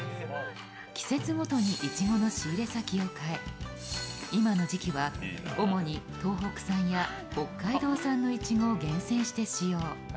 季節ごとにいちごの仕入れ先を変え、今の時期は主に東北産や北海道産のいちごを厳選して使用。